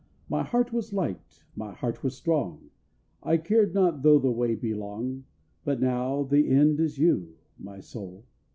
My heart was light, my heart was strong; I cared not though the way be long; But now the end is you my soul!